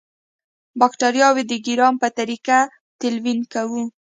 باکټریاوې د ګرام په طریقه تلوین کوو.